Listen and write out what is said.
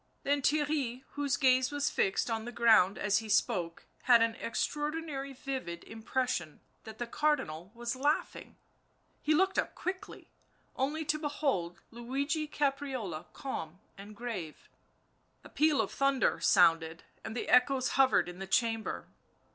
Then Thei«gy, whose gaze was fixed on the ground as he spoke, had an extraordinary vivid impression that the Cardinal was laughing; he looked up quickly, only to behold Luigi Caprarola calm and grave. A peal of thunder sounded, and the echoes hovered in the chamber.